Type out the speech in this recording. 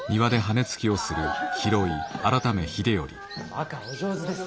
若お上手です。